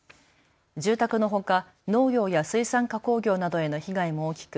住宅のほか農業や水産加工業などへの被害も大きく